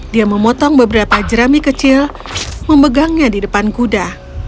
dia memotong beberapa jerami kecil memegangnya di depan kuda